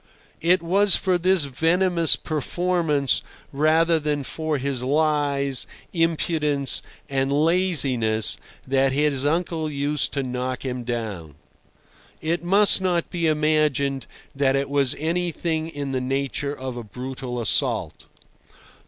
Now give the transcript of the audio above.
It was for this venomous performance rather than for his lies, impudence, and laziness that his uncle used to knock him down. It must not be imagined that it was anything in the nature of a brutal assault.